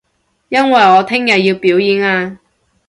因為我聽日要表演啊